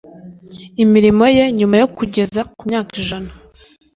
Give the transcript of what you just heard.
imirimo ye nyuma yo kugeza ku myaka ijana